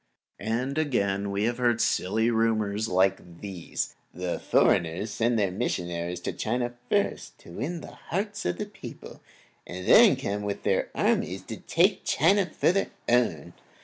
And again, we have heard silly rumors like these: The foreigners send their missionaries to China to first win the hearts of the people, and then come with armies to take China for their own.